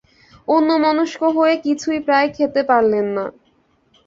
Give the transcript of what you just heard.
অন্যমনস্ক হয়ে কিছুই প্রায় খেতে পারলেন না।